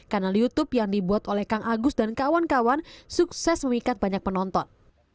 kanal youtube yang dibuat oleh kang agus dan kawan kawan sukses memikat banyak penonton